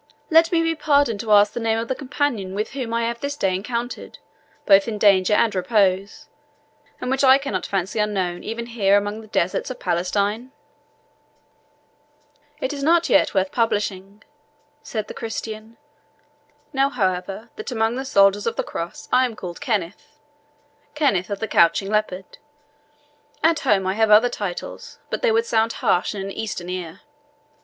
Let me be pardoned to ask the name of the companion with whom I have this day encountered, both in danger and in repose, and which I cannot fancy unknown even here among the deserts of Palestine?" "It is not yet worth publishing," said the Christian. "Know, however, that among the soldiers of the Cross I am called Kenneth Kenneth of the Couching Leopard; at home I have other titles, but they would sound harsh in an Eastern ear.